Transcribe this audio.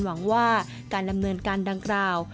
หวังว่าการดำเนินการดังกล่าว